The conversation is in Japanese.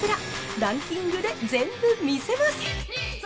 ランキングで全部見せます。